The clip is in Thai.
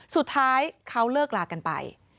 สุดท้ายเขาเลิกลากันไป